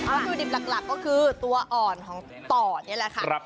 วัตถุดิบหลักก็คือตัวอ่อนของต่อนี่แหละค่ะ